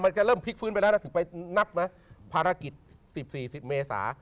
ก็คือขึ้นไปแล้วถึงไปนับไหมภารกิจ๑๔เมษา